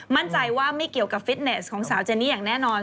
มั่นใจว่าไม่เกี่ยวกับฟิตเนสของสาวเจนี่อย่างแน่นอน